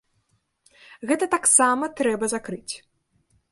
Гэта таксама трэба закрыць.